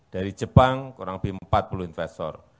dari jepang kurang lebih empat puluh investor